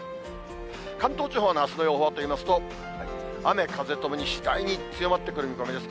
関東地方のあすの予報といいますと、雨、風ともに次第に強まってくる見込みです。